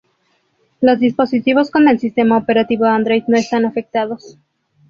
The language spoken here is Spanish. Los dispositivos con el sistema operativo Android no están afectados.